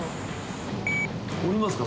降りますか？